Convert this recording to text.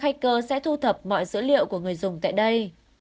hacker sẽ thu thập mọi dữ liệu của người dùng tại đây